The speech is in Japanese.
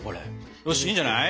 よしいいんじゃない？